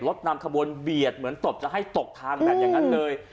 นำขบวนเบียดเหมือนตบจะให้ตกทางแบบอย่างนั้นเลย